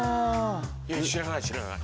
いや知らない知らない。